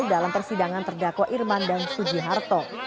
dalam persidangan terdakwa irman dan suji harto